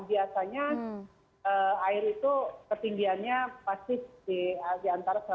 biasanya air itu ketinggiannya pasti di antara satu ratus lima puluh